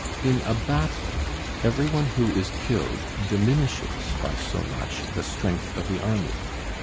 In a battle, every one who is killed diminishes by so much the strength of the army.